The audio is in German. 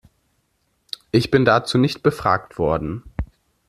Ich bin dazu nicht befragt worden.